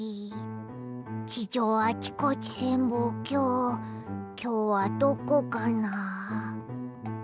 地上あちこち潜望鏡きょうはどこかな？